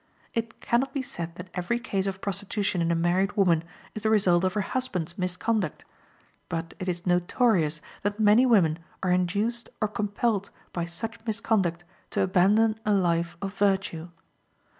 It can not be said that every case of prostitution in a married woman is the result of her husband's misconduct, but it is notorious that many women are induced or compelled by such misconduct to abandon a life of virtue.